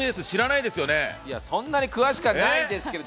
いや、そんなに詳しくはないんですけど。